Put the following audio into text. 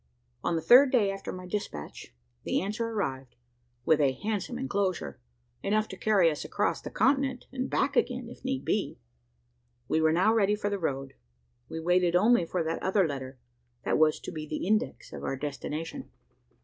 On the third day after my despatch, the answer arrived with a handsome enclosure; enough to carry us across the continent, and back again if need be. We were now ready for the road. We waited only for that other letter, that was to be the index to our destination.